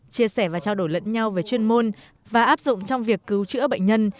chia sẻ và trao đổi lẫn nhau về chuyên môn và áp dụng trong việc cứu chữa bệnh nhân